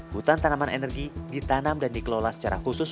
hutan tanaman energi ditanam dan dikelola secara khusus